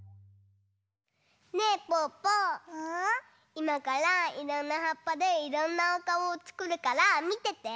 いまからいろんなはっぱでいろんなおかおをつくるからみてて。